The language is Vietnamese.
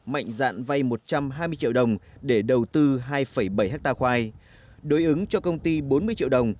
mạnh dạn vay một trăm hai mươi triệu đồng để đầu tư hai bảy ha khoai đối ứng cho công ty bốn mươi triệu đồng